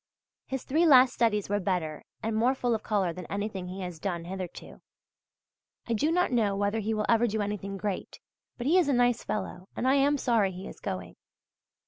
His three last studies were better and more full of colour than anything he has done hitherto. I do not know whether he will ever do anything great, but he is a nice fellow, and I am sorry he is going.